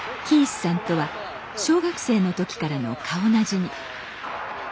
キースさんとは小学生の時からの顔なじみ。